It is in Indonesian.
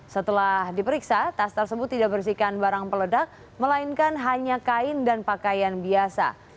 setelah diperiksa tas tersebut tidak bersihkan barang peledak melainkan hanya kain dan pakaian biasa